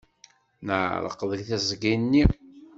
Neɛreq deg teẓgi-nni.